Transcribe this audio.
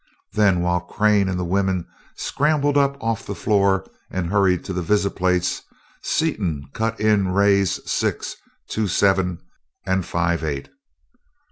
Then, while Crane and the women scrambled up off the floor and hurried to the visiplates, Seaton cut in rays six, two seven, and five eight.